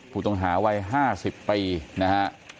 ผู้ต้องหาวัย๕๐ปีนะฮะ